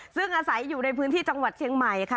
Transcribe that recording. ซึ่งอาศัยอยู่ในพื้นที่จังหวัดเชียงใหม่ค่ะ